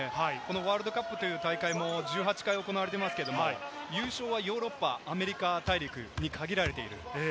ワールドカップという大会も１８回行われていますが、優勝はヨーロッパ、アメリカ大陸に限られています。